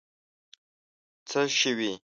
څه شوي؟